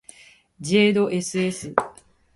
ｊ ど ｓｓ